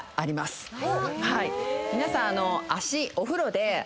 皆さん足。